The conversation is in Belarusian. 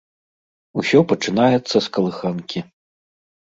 Усё пачынаецца з калыханкі.